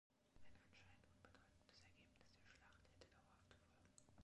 Ein anscheinend unbedeutendes Ergebnis der Schlacht hätte dauerhafte Folgen.